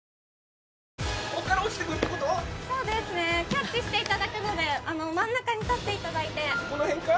キャッチしていただくので真ん中に立っていただいてこのへんか？